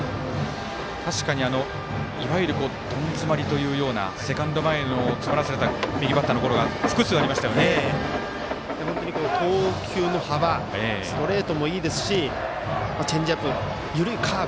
確かに、いわゆるどん詰まりというようなセカンド前への詰まらされた右バッターのゴロが投球の幅ストレートもいいですしチェンジアップ、緩いカーブ